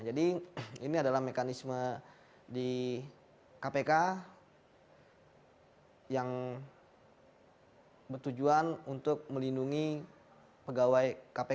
jadi ini adalah mekanisme di kpk yang bertujuan untuk melindungi pegawai kpk